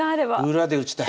裏で打ちたい。